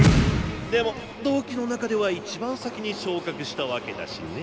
でも同期の中では一番先に昇格したわけだしね。